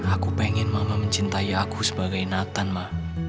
aku pengen mama mencintai aku sebagai nathan mak